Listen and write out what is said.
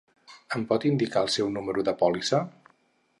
Em pot indicar el seu número de pòlissa?